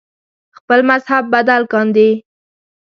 خپل مذهب بدل کاندي